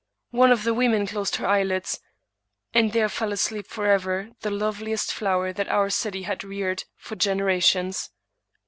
One of the women closed her eyelids ; and there fell asleep forever the loveliest flower that our city had reared for generations.